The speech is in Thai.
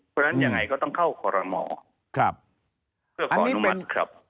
เพราะฉะนั้นยังไงก็ต้องเข้าคอรมอเพื่อขออนุมัติครับ